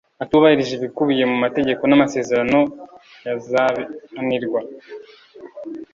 atubahirije ibikubiye mu mategeko n’ amasezerano yazabihanirwa